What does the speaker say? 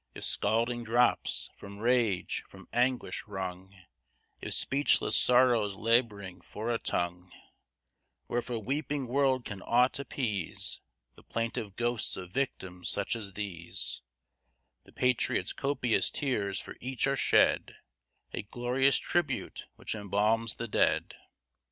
If scalding drops, from rage, from anguish wrung, If speechless sorrows lab'ring for a tongue, Or if a weeping world can aught appease The plaintive ghosts of victims such as these; The patriot's copious tears for each are shed, A glorious tribute which embalms the dead.